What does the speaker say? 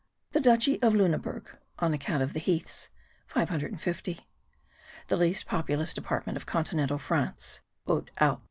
The Duchy of Luneburg (on account of the heaths) : 550. The least populous Department of Continental France : 758.